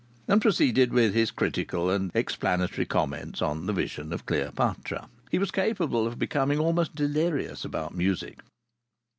And proceeded with his critical and explanatory comments on the Vision of Cleopatra. He was capable of becoming almost delirious about music.